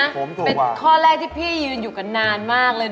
เป็นข้อแรกที่พี่ยืนอยู่กันนานมากเลย